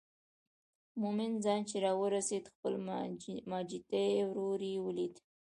مومن خان چې راورسېد خپل ماجتي ورور یې ولید.